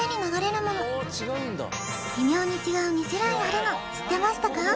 微妙に違う２種類があるの知ってましたか？